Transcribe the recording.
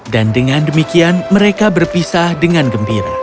dan dengan demikian mereka berpisah dengan gembira